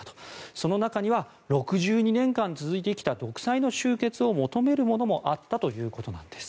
その中には６２年間続いてきた独裁の終結を求めるものもあったということです。